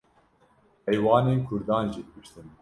heywanên Kurdan jî kuştin.